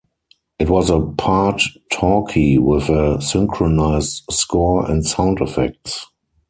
It was a part-talkie with a synchronized score and sound effects.